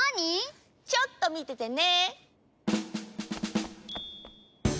ちょっとみててね！